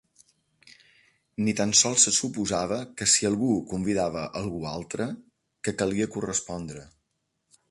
Ni tan sols se suposava que si algú convidava algú altre, que calia correspondre.